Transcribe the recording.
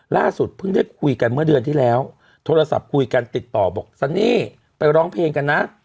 ล่าสุดเพิ่งได้คุยกันเมื่อเดือนที่แล้วโทรศัพท์คุยกันติดต่อบอกซันนี่ไปร้องเพลงกันนะ